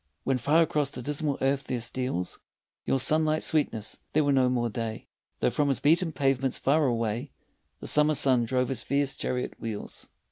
When far across the dismal earth there steals Your sunlit sweetness, there were no more day, Though from his beaten pavements far away The summer sun drove his fierce chariot wheels.